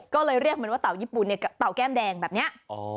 ก็เลยเรียกมันว่าเต่าญี่ปุ่นเนี่ยเต่าแก้มแดงแบบนี้